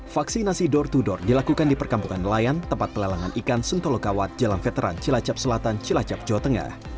vaksinasi door to door dilakukan di perkampungan nelayan tempat pelelangan ikan sentolo kawat jalan veteran cilacap selatan cilacap jawa tengah